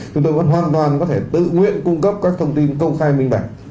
chúng tôi vẫn hoàn toàn có thể tự nguyện cung cấp các thông tin công khai minh bạch